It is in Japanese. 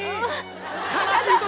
悲しい時。